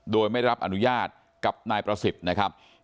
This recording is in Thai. โดยไม่รับอนุญาตกับนายประสิทธิ์นะครับ